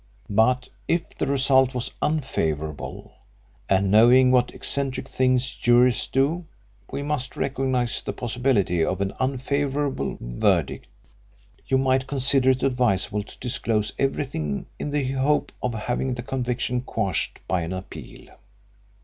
But if the result was unfavourable and knowing what eccentric things juries do, we must recognise the possibility of an unfavourable verdict you might consider it advisable to disclose everything in the hope of having the conviction quashed by an appeal."